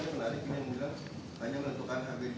nah ketika mencuri perhitungan